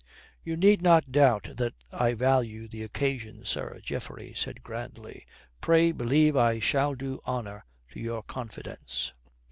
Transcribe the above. "You need not doubt that I value the occasion, sir," Geoffrey said grandly. "Pray, believe that I shall do honour to your confidence."